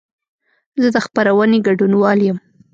زه د خپرونې ګډونوال یم.